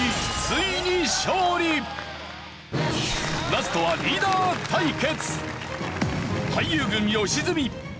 ラストはリーダー対決。